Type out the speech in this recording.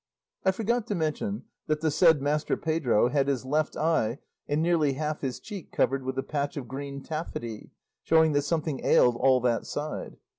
I forgot to mention that the said Master Pedro had his left eye and nearly half his cheek covered with a patch of green taffety, showing that something ailed all that side.